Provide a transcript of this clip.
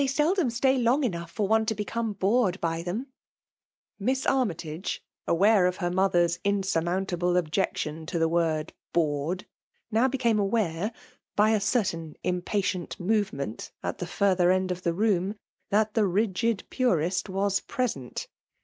seldom stay long enougb for one to become* bored by them/' " Miss Armytage, aware of her> niotlier'*i$ in snnnauntable objection to the word ''bored/' now ' became . aware^ by a certain impatient morement at the ^rther end of the rocnn, Aat the rigid purist was present.